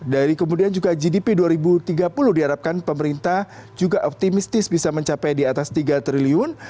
dari kemudian juga gdp dua ribu tiga puluh diharapkan pemerintah juga optimistis bisa mencapai di atas tiga triliun